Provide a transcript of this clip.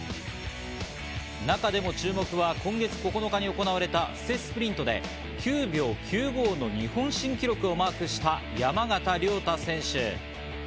中でも注目は今月９日に行われた布勢スプリントで９秒９５の日本新記録をマークした山縣亮太選手。